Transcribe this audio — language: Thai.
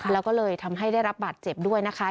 แล้วก็เลยทำให้ได้รับบาดเจ็บด้วยนะคะ